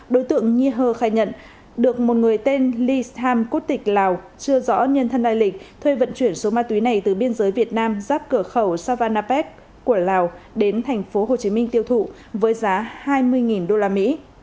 đối tượng nhi hơ khai nhận được một người tên lee sam cốt tịch lào chưa rõ nhân thân đại lịch thuê vận chuyển số ma túy này từ biên giới việt nam giáp cửa khẩu savanapet của lào đến thành phố hồ chí minh tiêu thụ với giá hai mươi usd